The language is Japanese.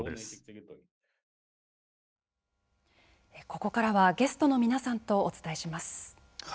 ここからはゲストの皆さんとお伝えします。